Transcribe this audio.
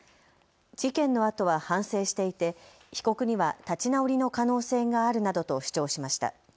事件のあとは反省していて被告には立ち直りの可能性があるなどと主張しました。